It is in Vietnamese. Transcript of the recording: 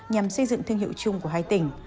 nhằm xây dựng thương hiệu chung của hai tỉnh